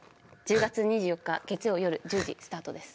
１０月２４日月曜夜１０時スタートです。